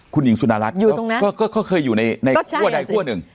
คุณหญิงสุนารัฐก็เคยอยู่ในคั่วใดคั่วหนึ่ง